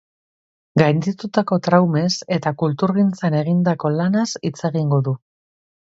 Gainditutako traumez eta kulturgintzan egindako lanaz hitz egingo du.